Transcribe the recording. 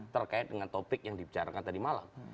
terkait dengan topik yang dibicarakan tadi malam